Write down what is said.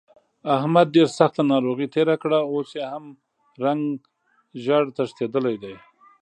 احمد ډېره سخته ناروغۍ تېره کړه، اوس یې هم رنګ زېړ تښتېدلی دی.